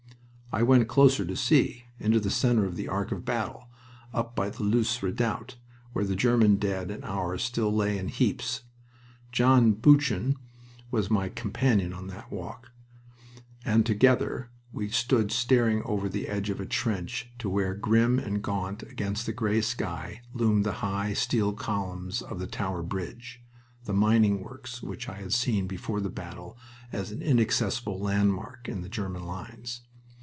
I went closer to see into the center of the arc of battle, up by the Loos redoubt, where the German dead and ours still lay in heaps. John Buchan was my companion on that walk, and together we stood staring over the edge of a trench to where, grim and gaunt against the gray sky, loomed the high, steel columns of the "Tower Bridge," the mining works which I had seen before the battle as an inaccessible landmark in the German lines.